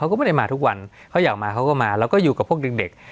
เขาก็ไม่ได้มาทุกวันเขาอยากมาเขาก็มาแล้วก็อยู่กับพวกเด็ก